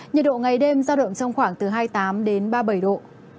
nhiệt độ ngày đêm giao động trong khoảng hai mươi tám ba mươi bảy độ